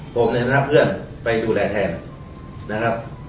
ผมในฐานะเพื่อนไปดูแลแทนนะครับ